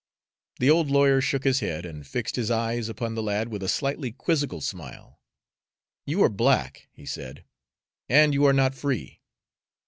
The old lawyer shook his head, and fixed his eyes upon the lad with a slightly quizzical smile. "You are black." he said, "and you are not free.